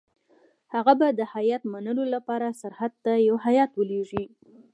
هغه به د هیات منلو لپاره سرحد ته یو هیات ولېږي.